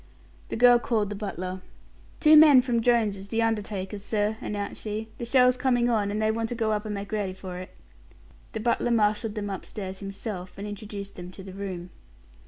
The girl called the butler. "Two men from Jones', the undertaker's, sir," announced she. "The shell's coming on and they want to go up and make ready for it." The butler marshaled them upstairs himself, and introduced them to the room.